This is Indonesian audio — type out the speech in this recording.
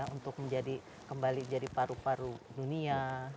untuk menjadi kembali jadi paru paru dunia